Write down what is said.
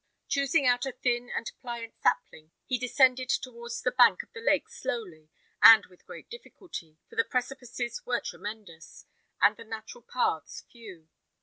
Choosing out a thin and pliant sapling, he descended towards the bank of the lake slowly and with great difficulty, for the precipices were tremendous, and the natural paths few.